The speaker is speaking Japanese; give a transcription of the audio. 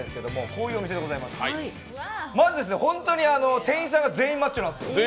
まず、本当に店員さんが全員マッチョなんですよ。